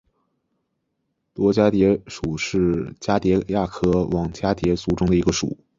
络蛱蝶属是蛱蝶亚科网蛱蝶族中的一个属。